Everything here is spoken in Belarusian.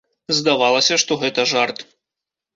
Здавалася, што гэта жарт.